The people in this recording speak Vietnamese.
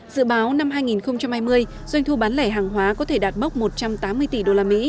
dự báo năm hai nghìn hai mươi doanh thu bán lẻ hàng hóa có thể đạt bốc một trăm tám mươi tỷ usd